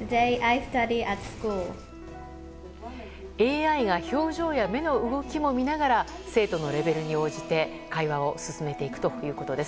ＡＩが表情や目の動きも見ながら生徒のレベルに応じて会話を進めていくということです。